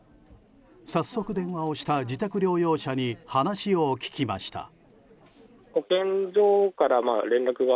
早速、電話した自宅療養者に話を聞きました。